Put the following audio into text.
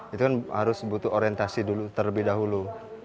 itu kan harus butuh orientasi dulu terlebih dahulu